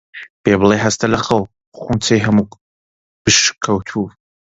پێی بڵێ هەستێ لە خەو، خونچە هەموو پشکووتووە